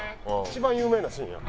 一番有名なシーンや。